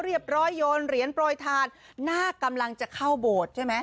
เรียบร้อยโยนเหรียญโปรยทานหน้ากำลังจะเข้าโบสถ์ใช่ไหม